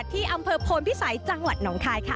ที่อำเภอโพนพิสัยจังหวัดหนองคายค่ะ